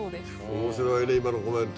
面白いね今のコメント。